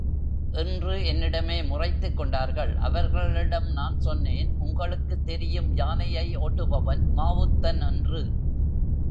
என்று என்னிடமே முறைத்துக் கொண்டார்கள், அவர்களிடம் நான் சொன்னேன் உங்களுக்குத் தெரியும் யானையை ஓட்டுபவன் மாவுத்தன் என்று.